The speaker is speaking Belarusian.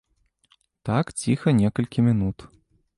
Так ціха некалькі мінут.